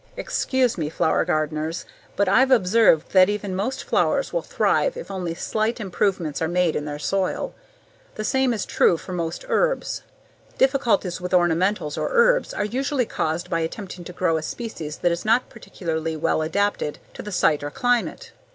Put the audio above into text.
Excuse me, flower gardeners, but I've observed that even most flowers will thrive if only slight improvements are made in their soil. The same is true for most herbs. Difficulties with ornamentals or herbs are usually caused by attempting to grow a species that is not particularly well adapted to the site or climate.